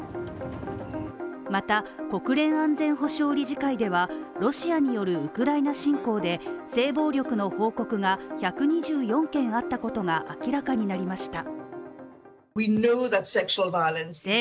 また、国連安全保障理事会ではロシアによるウクライナ侵攻で性暴力の報告が１２４件あったことが明らかになりました。